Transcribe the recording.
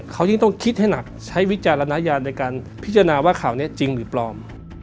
เขายิ่งต้องคิดให้หนักใช้วิจารณญาณในการพิจารณาว่าข่าวนี้จริงหรือปลอม